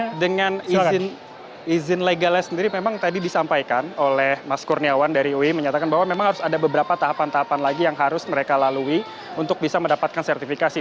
nah dengan izin legalnya sendiri memang tadi disampaikan oleh mas kurniawan dari ui menyatakan bahwa memang harus ada beberapa tahapan tahapan lagi yang harus mereka lalui untuk bisa mendapatkan sertifikasi